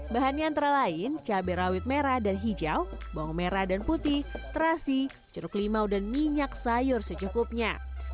bahannya antara lain cabai rawit merah dan hijau bawang merah dan putih terasi jeruk limau dan minyak sayur secukupnya